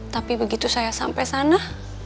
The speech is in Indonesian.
tapi begitu saya sampai sana